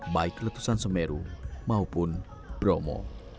baik letusan semeru maupun bromo